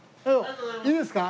いいですか？